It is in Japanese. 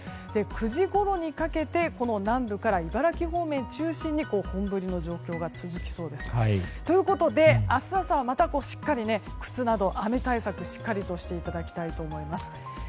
９時ごろにかけて南部から茨城方面中心に本降りの状況が続きそうです。ということで明日朝は、しっかり靴など雨対策を、しっかりとしていただきたいと思います。